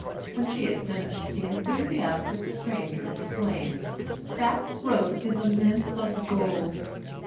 When she had finished, the enthusiastic stranger exclaimed, "That throat is a mint of gold!"